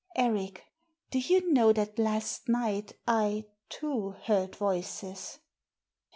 " Eric, do you know that last night I, too, heard voices